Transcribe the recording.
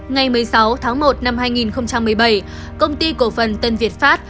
ngày một mươi sáu tháng một năm hai nghìn một mươi bảy công ty cổ phần tân việt pháp